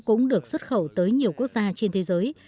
cũng được xuất khẩu tới nhiều quốc gia trên thế giới